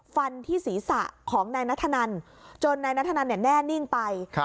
ฟันที่ศีรษะของนายนัทธนันจนนายนัทธนันแน่นิ่งไป